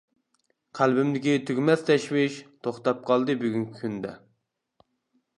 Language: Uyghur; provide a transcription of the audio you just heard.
قەلبىمدىكى تۈگىمەس تەشۋىش، توختاپ قالدى بۈگۈنكى كۈندە.